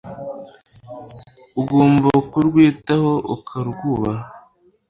ugomba kurwitaho ukarwubaha